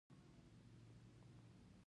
خو په ورته وخت کې ترمنځ یې څو وجوهات هم وو.